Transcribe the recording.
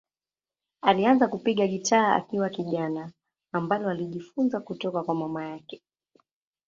Alianza kupiga gitaa akiwa kijana, ambalo alijifunza kutoka kwa mama yake.